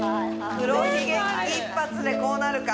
黒ひげ危機一発でこうなるか。